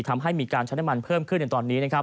ทำให้มีการชั้นอะมันเพิ่มขึ้นอย่างตอนนี้